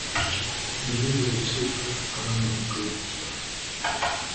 intege ziracika aramanuka yicara